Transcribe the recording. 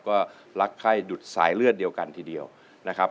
ก็รักไข้ดุดสายเลือดเดียวกันทีเดียวนะครับ